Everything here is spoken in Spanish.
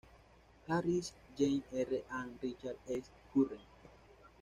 Harris, James R. and Richard S. Current.